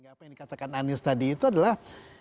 apa yang dikatakan anies tadi itu adalah